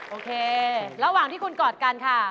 โอเคระหว่างที่คุณกอดกันค่ะ